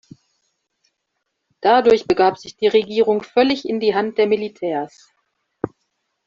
Dadurch begab sich die Regierung völlig in die Hand der Militärs.